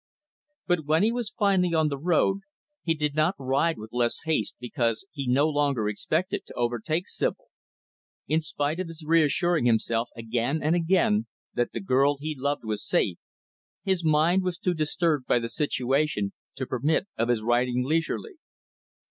But when he was finally on the road, he did not ride with less haste because he no longer expected to overtake Sibyl. In spite of his reassuring himself, again and again, that the girl he loved was safe, his mind was too disturbed by the situation to permit of his riding leisurely.